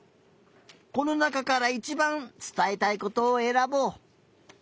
このなかからいちばんつたえたいことをえらぼう。